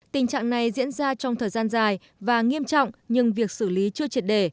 tình trạng này diễn ra trong thời gian dài và nghiêm trọng nhưng việc xử lý chưa triệt đề